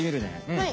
はい！